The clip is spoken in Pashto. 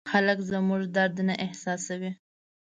خلک زموږ درد نه احساسوي.